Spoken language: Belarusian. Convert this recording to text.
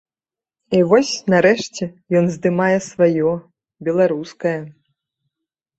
І вось, нарэшце, ён здымае сваё, беларускае.